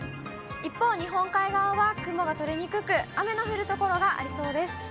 一方、日本海側は雲が取れにくく、雨の降る所がありそうです。